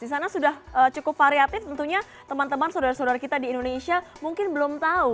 di sana sudah cukup variatif tentunya teman teman saudara saudara kita di indonesia mungkin belum tahu